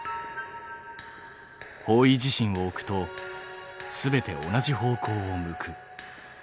方位磁針を置くと全て同じ方向を向く。